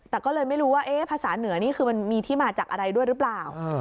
แต่ก็เลยไม่รู้ว่าภาษาเหนือนี่คือมันมีที่มาจากอะไรด้วยหรือเปล่า